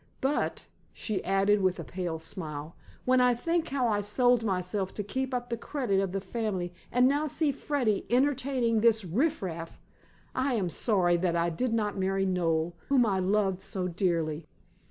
But," she added with a pale smile, "when I think how I sold myself to keep up the credit of the family, and now see Freddy entertaining this riff raff, I am sorry that I did not marry Noel, whom I loved so dearly."